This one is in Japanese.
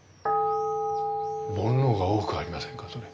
煩悩が多くありませんかそれ。